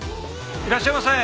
いらっしゃいませ！